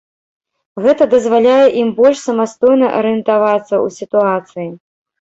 Гэта дазваляе ім больш самастойна арыентавацца ў сітуацыі.